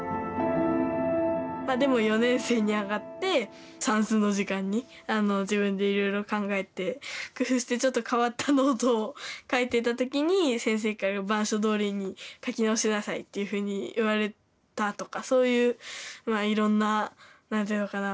でも４年生に上がって算数の時間に自分でいろいろ考えて工夫してちょっと変わったノートを書いてた時に先生からっていうふうに言われたとかそういうまあいろんな何ていうのかな